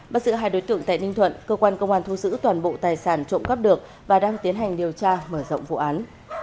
bắt giữ hai đối tượng tại ninh thuận cơ quan công an thu giữ toàn bộ tài sản trộm cắp được và đang tiến hành điều tra mở rộng vụ án